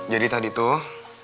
jadi tadi tuh